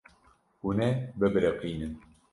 Hûn ê bibiriqînin.